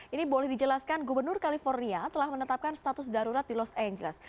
ini boleh dijelaskan gubernur california telah menetapkan status darurat di los angeles